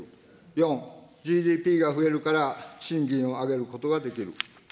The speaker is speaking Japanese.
４、ＧＤＰが増えるから賃金を上げることができる。